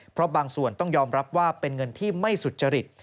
เพราะบางส่วนต้องยอมรับว่าเป็นเงินที่ไม่สุจริต